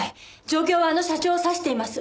状況はあの社長を指しています。